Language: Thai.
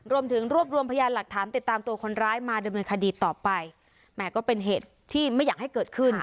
รวมถึงรวบรวมพยานหลักฐานติดตามตัวคนร้ายมาดำเนินคดีต่อไปแหมก็เป็นเหตุที่ไม่อยากให้เกิดขึ้น